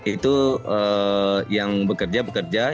itu yang bekerja bekerja